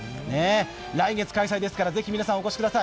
来月開催ですからぜひ皆さんお越しください。